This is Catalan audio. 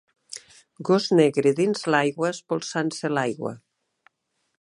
Gos negre dins l'aigua espolsant-se l'aigua.